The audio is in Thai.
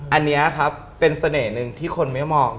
อันนี้ครับเป็นเสน่ห์หนึ่งที่คนไม่มอง